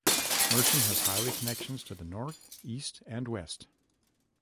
Mersin has highway connections to the north, east and west.